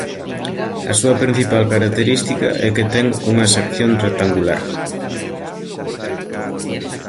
A súa principal característica é que ten unha sección rectangular.